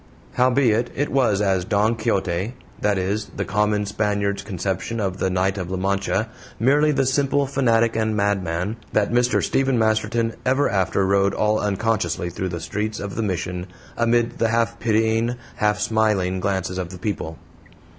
Howbeit it was as "Don Quixote" that is, the common Spaniard's conception of the Knight of La Mancha, merely the simple fanatic and madman that Mr. Stephen Masterton ever after rode all unconsciously through the streets of the Mission, amid the half pitying, half smiling glances of the people.